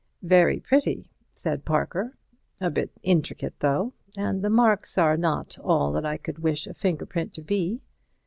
"Very pretty," said Parker. "A bit intricate, though, and the marks are not all that I could wish a finger print to be."